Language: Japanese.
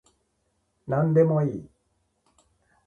なんでもいい